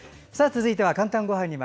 続いては「かんたんごはん」。